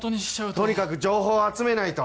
とにかく情報を集めないと。